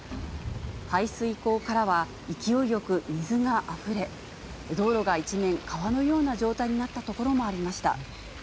排水溝からは勢いよく水があふれ、道路が一面、川のような状態になった所もありました。